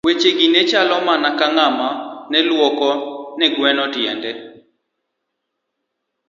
Weche gi ne chalo mana ka ng'ama ne lwoko ne gweno tiende.